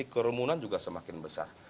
potensi keremunan juga semakin besar